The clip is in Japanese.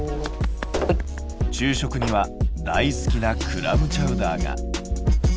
昼食には大好きなクラムチャウダーが。